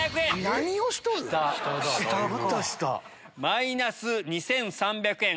マイナス２３００円。